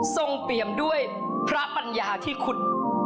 เปรียมด้วยพระปัญญาที่คุณ